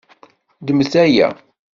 Ddmet aya.